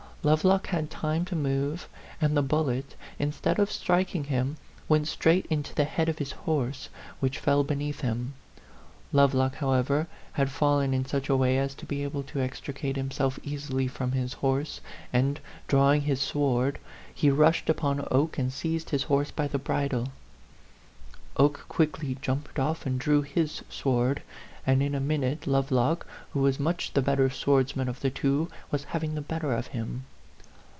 Lovelock had time to move, and the bullet, instead of striking him, went straight into the head of his horse, which fell beneath him. Lovelock, however, had fallen in such a way as to be able to ex A PHANTOM LOVER. 81 tricate himself easily from his horse; and, drawing his sword, he rushed upon Oke and seized his horse by the bridle. Oke quickly jumped off and drew his sword; and in a minute Lovelock, who was much the better swordsman of the two, was having the bet ter of him.